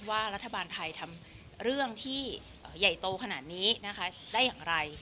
ว่ารัฐบาลไทยทำเรื่องที่ใหญ่โตขนาดนี้นะคะได้อย่างไร